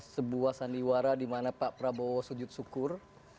sebuah sandiwara dimana pak prabowo sujud syukur